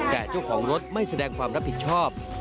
แต่เจ้าของรถไม่แสดงความรับผิดชอบ